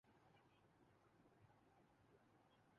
نہ ہی one day کا اچھا پلئیر